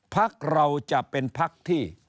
ภักดิ์เราจะเป็นภักดิ์ที่